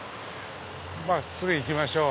真っすぐ行きましょう。